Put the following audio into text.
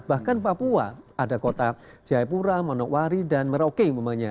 bahkan papua ada kota jaipura manokwari dan merauke semuanya